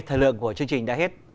thời lượng của chương trình đã hết